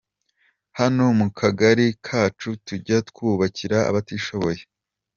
Hano mu kagari kacu tujya twubakira abatishoboye.